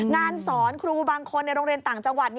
งานสอนครูบางคนในโรงเรียนต่างจังหวัด